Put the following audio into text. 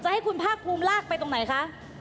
ให้คุณภาคภูมิลากไปตรงไหนคะ